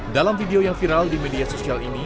dalam video yang viral di media sosial ini